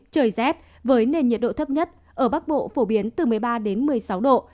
trời rét với nền nhiệt độ thấp nhất ở bắc bộ phổ biến từ một mươi ba đến một mươi sáu độ